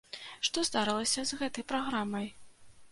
Што здарылася з гэтай праграмай?